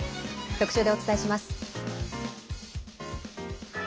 特集でお伝えします。